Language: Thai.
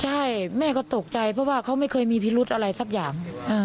ใช่แม่ก็ตกใจเพราะว่าเขาไม่เคยมีพิรุธอะไรสักอย่าง